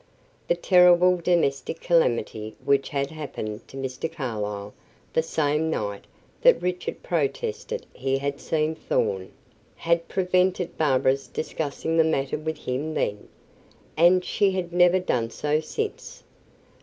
The terrible domestic calamity which had happened to Mr. Carlyle the same night that Richard protested he had seen Thorn, had prevented Barbara's discussing the matter with him then, and she had never done so since.